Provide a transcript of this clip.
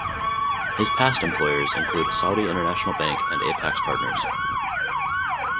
His past employers include Saudi International Bank and Apax Partners.